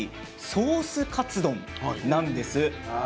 ソースカツ丼なんです。